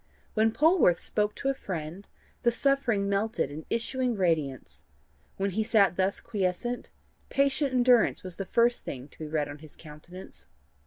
When Polwarth spoke to a friend, the suffering melted in issuing radiance; when he sat thus quiescent, patient endurance was the first thing to be read on his countenance.